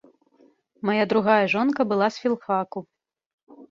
Мая другая жонка была з філфаку.